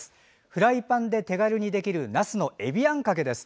フライパンで手軽にできるなすのえびあんかけです。